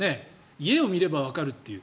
家を見ればわかるという。